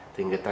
thì người ta